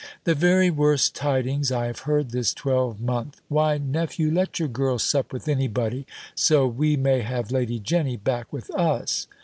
"The very worst tidings I have heard this twelvemonth. Why, nephew, let your girl sup with any body, so we may have Lady Jenny back with us."